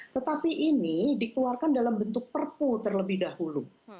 tetapi ini dikeluarkan dalam bentuk perpu terlebih dahulu